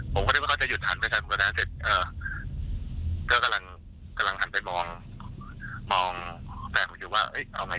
ก็เลยบอกเดี๋ยวผมเข้าไปฆ่านแล้วแดกแฟนพวกเขาก็ถ่ายคลิปไว้